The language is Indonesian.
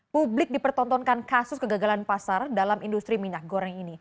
publik dipertontonkan kasus kegagalan pasar dalam industri minyak goreng ini